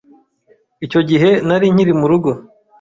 Icyo gihe nari nkiri murugo.